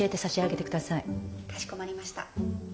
かしこまりました。